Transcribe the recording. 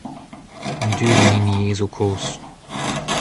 An dud an hini eo zo kaoz.